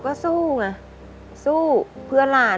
ขอเพียงคุณสามารถที่จะเอ่ยเอื้อนนะครับ